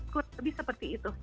kurang lebih seperti itu